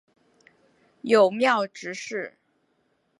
友庙执事。